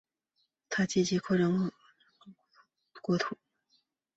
他积极扩张真腊国土。